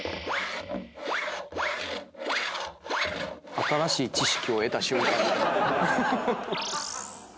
新しい知識を得た瞬間みたいな。